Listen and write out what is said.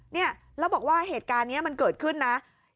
เนี่ยแล้วบอกว่าเหตุการณ์นี้มันเกิดขึ้นนะ